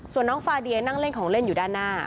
ส่วนน้องฟาเดียนั่งเล่นของเล่นอยู่ด้านหน้า